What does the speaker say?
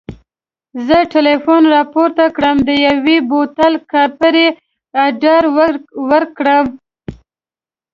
زه ټلیفون راپورته کړم د یوه بوتل کاپري اډر ورکړم.